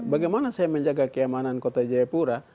bagaimana saya menjaga keamanan kota jayapura